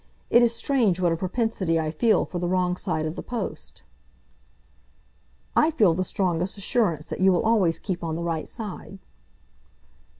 It is strange what a propensity I feel for the wrong side of the post." "I feel the strongest assurance that you will always keep on the right side."